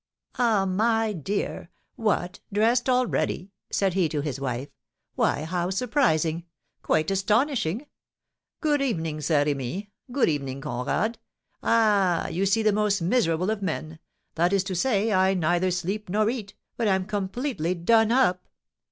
"Ah, my dear! What, dressed already?" said he to his wife. "Why, how surprising! Quite astonishing! Good evening, Saint Remy; good evening, Conrad. Ah, you see the most miserable of men; that is to say, I neither sleep nor eat, but am completely 'done up.'